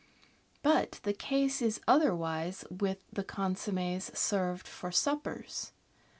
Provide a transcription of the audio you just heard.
But the case is otherwise with the consommes served for suppers.